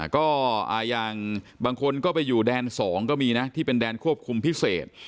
ก็อย่างบางคนก็ไปอยู่แดน๒ก็มีนะที่เป็นแดนควบคุมพิเศษ